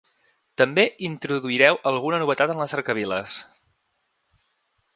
També introduireu alguna novetat en les cercaviles.